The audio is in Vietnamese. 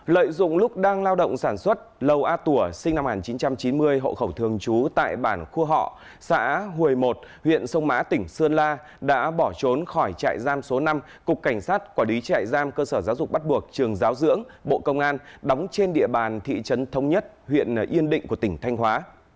lợi dụng lúc đang lao động sản xuất lầu a tủa sinh năm một nghìn chín trăm chín mươi hộ khẩu thường trú tại bản khua họ xã hồi một huyện sông mã tỉnh sơn la đã bỏ trốn khỏi trại giam số năm cục cảnh sát quản lý trại giam cơ sở giáo dục bắt buộc trường giáo dưỡng bộ công an đóng trên địa bàn thị trấn thống nhất huyện yên định của tỉnh thanh hóa